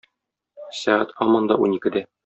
Сәгать һаман да уникедә.